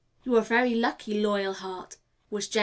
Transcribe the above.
"You're a very lucky Loyalheart," was J.